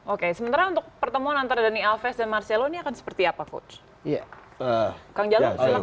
oke sementara untuk pertemuan antara dhani alves dan marcelo ini akan seperti apa coach